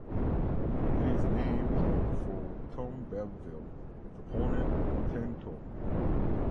It is named for Tom Bevill, a proponent of the Tenn-Tom.